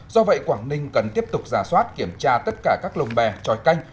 do vậy quảng ninh cần tiếp tục giả soát kiểm tra tất cả các lồng bè tròi canh